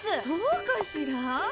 そうかしら？